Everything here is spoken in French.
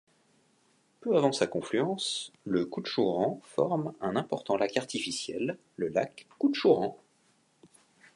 Peu avant sa confluence, le Koutchourhan forme un important lac artificiel, le lac Koutchourhan.